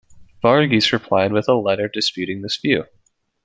Varghese replied with a letter disputing this view.